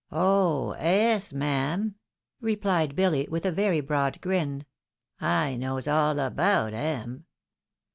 "Oh! es, mam," replied BiUy, with a very broad grin, " I knows all about em."